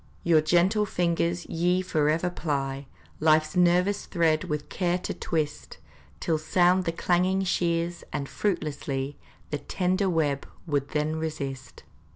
Your gentle fingers ye forever ply, Life's nervous thread with care to twist, Till sound the clanging shears, and fruitlessly The tender web would then resist.